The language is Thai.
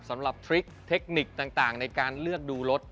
สำหรับทริคเทคนิคต่างในการเลือกดูรถ